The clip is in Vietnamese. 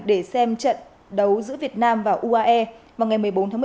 để xem trận đấu giữa việt nam và uae vào ngày một mươi bốn tháng một mươi một